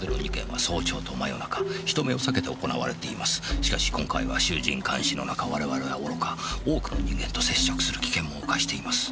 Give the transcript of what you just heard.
しかし今回は衆人環視の中我々はおろか多くの人間と接触する危険も冒しています。